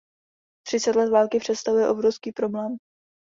Třicet let války představuje obrovský problém.